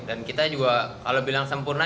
dan kita juga kalau bilang sempurna